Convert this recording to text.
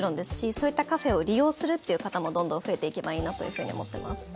そういったカフェを利用する方もどんどん増えていけばいいなと思っています。